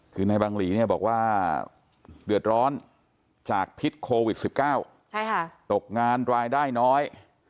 คือนายบังหลีเนี่ยบอกว่าเดือดร้อนจากพิษโควิด๑๙ตกงานรายได้น้อย